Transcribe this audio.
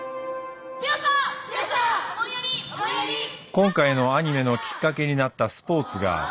今回のアニメのきっかけになったスポーツがある。